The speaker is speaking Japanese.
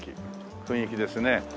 雰囲気ですね。